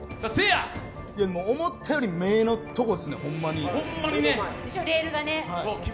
思ったより目のとこですね、ほんまに。